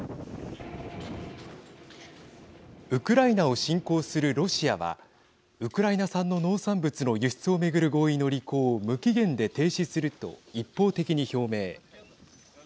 ウクライナを侵攻するロシアはウクライナ産の農産物の輸出を巡る合意の履行を無期限で停止すると一方的に表明。